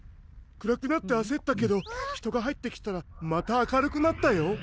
くらくなってあせったけどひとがはいってきたらまたあかるくなったよ。